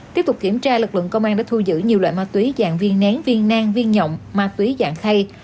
tiếp tục kiểm tra lực lượng công an đã thu giữ nhiều loại ma túy dạng viên nén viên nang viên nhọn ma túy dạng khay